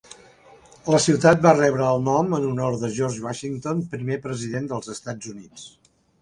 La ciutat va rebre el nom en honor de George Washington, primer president dels Estats Units.